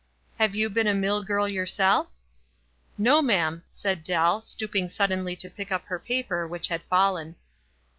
"Have you been a mill girl yourself?" "No, ma'am," said Dell, stooping suddenly to pick up her paper which had fallen.